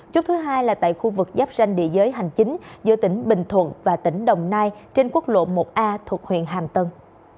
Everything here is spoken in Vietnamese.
chốt thứ hai là tại khu vực giáp ranh địa giới hành chính giữa tỉnh bình thuận và tỉnh đồng nai trên quốc lộ một a thuộc huyện hàm tân